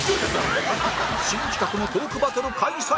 新企画のトークバトル開催！